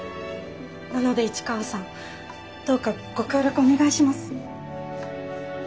なので市川さんどうかご協力お願いします。